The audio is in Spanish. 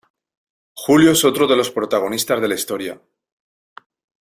Julio es otro de los protagonistas de la historia.